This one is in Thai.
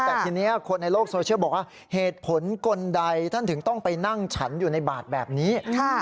แต่ทีนี้คนในโลกโซเชียลบอกว่าเหตุผลกลใดท่านถึงต้องไปนั่งฉันอยู่ในบาทแบบนี้